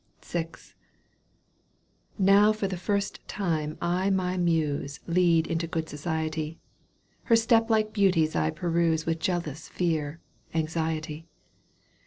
VI. Now for the first time I my Muse Lead into good society, Her steppe like beauties I peruse With jealous fear, anxiety.